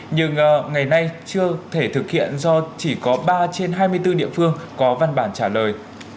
nhưng ngày nay chưa thể thực hiện do chỉ có ba trên hai mươi bốn địa phương có văn bản trả lời